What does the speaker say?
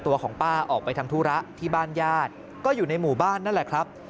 ของป้าออกไปทำธุระที่บ้านญาติก็อยู่ในหมู่บ้านนั่นแหละครับ